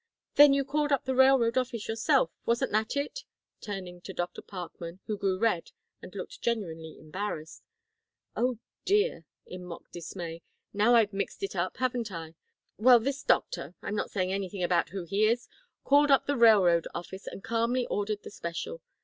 Then you called up the railroad office, yourself wasn't that it?" turning to Dr. Parkman, who grew red and looked genuinely embarrassed. "Oh dear," in mock dismay "now I've mixed it up, haven't I? Well, this doctor I'm not saying anything about who he is called up the railroad office and calmly ordered the special.